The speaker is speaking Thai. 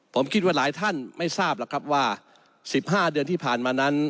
ผมคิดว่าหลายท่านไม่ทราบหรอกครับว่า๑๕เดือนที่ผ่านมานั้น